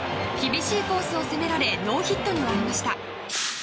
厳しいコースを攻められノーヒットに終わりました。